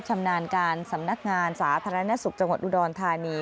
ชำนาญการสำนักงานสาธารณสุขจังหวัดอุดรธานี